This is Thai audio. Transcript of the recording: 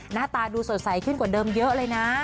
หน้าตาดูสดใสขึ้นกว่าเดิมเยอะเลยนะ